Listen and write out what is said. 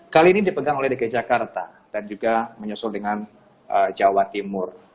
kali ini dipegang oleh dki jakarta dan juga menyusul dengan jawa timur